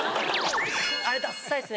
あれダサいっすね。